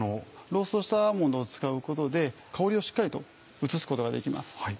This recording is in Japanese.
ローストしたアーモンドを使うことで香りをしっかりと移すことができます。